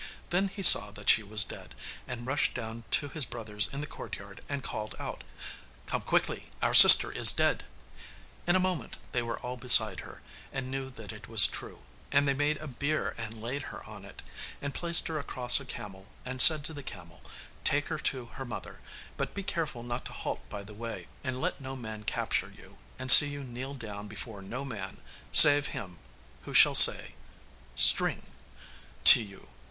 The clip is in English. Then he saw that she was dead, and rushed down to his brothers in the courtyard and called out, 'Come quickly, our sister is dead!' In a moment they were all beside her and knew that it was true, and they made a bier and laid her on it, and placed her across a camel, and said to the camel, 'Take her to her mother, but be careful not to halt by the way, and let no man capture you, and see you kneel down before no man, save him who shall say "string" [Footnote: 'Riemen.'] to you.